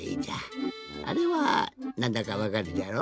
あれはなんだかわかるじゃろ？